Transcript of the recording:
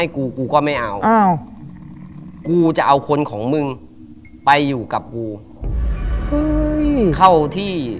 เข้าที่